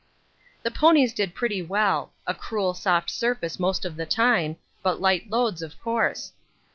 The ponies did pretty well a cruel soft surface most of the time, but light loads, of course.